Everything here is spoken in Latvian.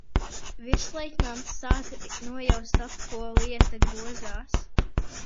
Virsleitnants sāk nojaust ap ko lieta grozās.